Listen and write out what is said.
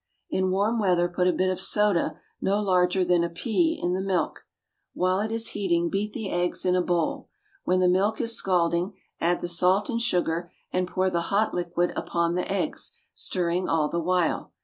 In warm weather put a bit of soda no larger than a pea in the milk. While it is heating beat the eggs in a bowl. When the milk is scalding, add the salt and sugar, and pour the hot liquid upon the eggs, stirring all the while.